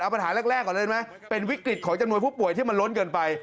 ปัญหาแรกก่อนเลยไหมเป็นวิกฤตของจำนวนผู้ป่วยที่มันล้นเกินไป